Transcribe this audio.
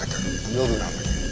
夜なのに。